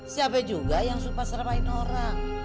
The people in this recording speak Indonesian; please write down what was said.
siapa juga yang sumpah serapain orang